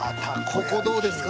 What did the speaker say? ここどうですか？